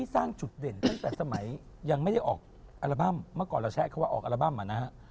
แต่สมัยยังไม่ได้ออกอัลบั้มมาก่อนเราแชะว่าออกอัลบั้มมานะ